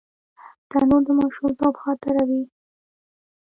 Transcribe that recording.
تنور د ماشومتوب خاطره وي